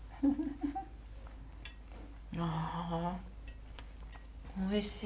ああおいしい。